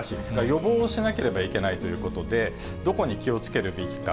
予防しなければいけないということで、どこに気をつけるべきか。